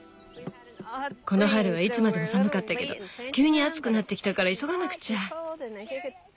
この春はいつまでも寒かったけど急に暑くなってきたから急がなくちゃ。